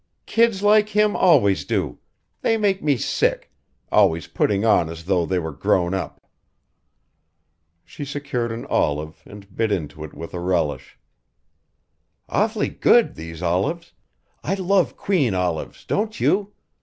"Kids like him always do. They make me sick always putting on as though they were grown up." She secured an olive and bit into it with a relish. "Awful good these olives. I love queen olives, don't you.